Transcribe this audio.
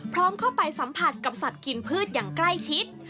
พร้อมเข้าไปสัมผัสกับสัตว์กินพืชอย่างใกล้ชิด